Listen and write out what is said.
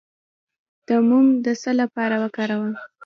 د موم د څه لپاره وکاروم؟